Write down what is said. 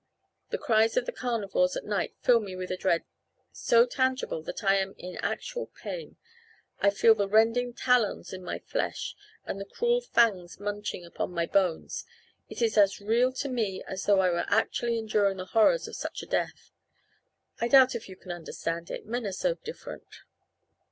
The cries of the carnivores at night fill me with a dread so tangible that I am in actual pain. I feel the rending talons in my flesh and the cruel fangs munching upon my bones it is as real to me as though I were actually enduring the horrors of such a death. I doubt if you can understand it men are so different."